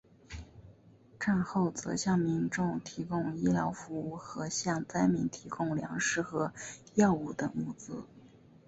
战后则向民众提供医疗服务和向灾民提供粮食和药物等物资。